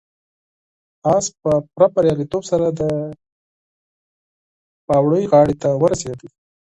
آس په پوره بریالیتوب سره د کوهي غاړې ته ورسېد.